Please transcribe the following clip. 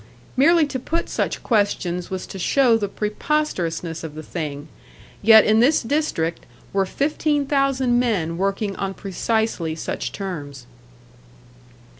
Merely to put such questions was to show the preposterousness of the thing; yet in this district were fifteen thousand men working on precisely such terms.